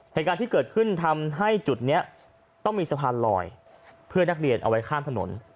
เหตุการณ์ที่เกิดขึ้นทำให้จุดนี้ต้องมีสะพานลอยเพื่อนักเรียนเอาไว้ข้ามถนน